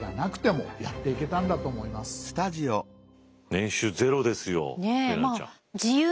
年収０ですよ怜奈ちゃん。